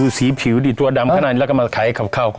ไม่ตัดไม่ตัดไม่ตัดไม่ตัดไม่ตัดไม่ตัด